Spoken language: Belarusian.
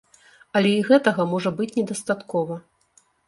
Але і гэтага можа быць недастаткова.